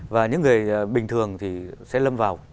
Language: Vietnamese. và những người bình thường thì sẽ lâm vào